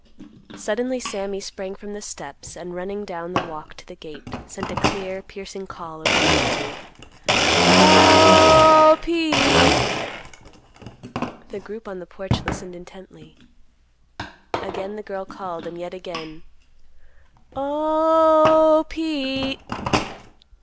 Suddenly Sammy sprang from the steps and running down the walk to the gate sent a clear, piercing call over the valley: "O—h—h, Pete." The group on the porch listened intently. Again the girl called, and yet again: "O—h—h, Pete."